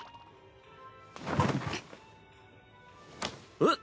えっ？